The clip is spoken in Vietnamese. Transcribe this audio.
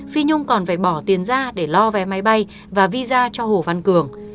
phi nhung còn phải bỏ tiền ra để lo vé máy bay và visa cho hồ văn cường